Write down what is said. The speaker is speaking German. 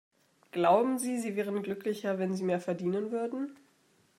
Glauben Sie, Sie wären glücklicher, wenn Sie mehr verdienen würden?